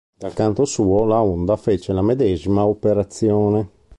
Dal canto suo, la Honda fece la medesima operazione.